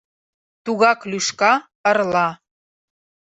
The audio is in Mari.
Тугак лӱшка, ырла.